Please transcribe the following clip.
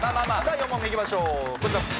４問目いきましょう